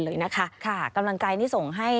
สวัสดีค่ะสวัสดีค่ะ